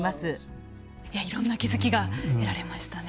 いろんな気付きが得られましたね。